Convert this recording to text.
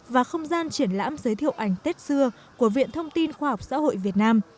và không gian triển lãm giới thiệu ảnh tết xưa của viện thông tin khoa học xã hội việt nam